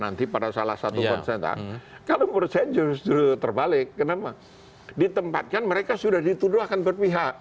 nanti pada salah satu konsentan kalau menurut saya justru terbalik kenapa ditempatkan mereka sudah dituduh akan berpihak